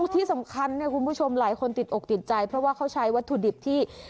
ที่สำคัญเนี่ยคุณผู้ชมหลายคนติดอกติดใจเพราะว่าเขาใช้วัตถุดิบที่